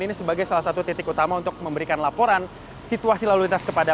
ini sebagai salah satu titik utama untuk memberikan laporan situasi lalu lintas kepada